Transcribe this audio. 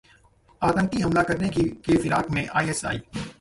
आतंकी हमला कराने के फिराक में आईएसआई